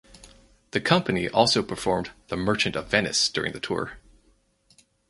The Company also performed "The Merchant of Venice" during the tour.